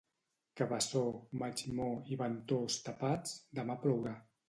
Cabeçó, Maigmó i Ventós tapats, demà plourà.